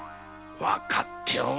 わかっておる。